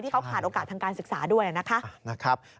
เขาขาดโอกาสทางการศึกษาด้วยนะคะ